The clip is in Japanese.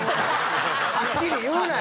はっきり言うなよ！